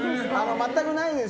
全くないです。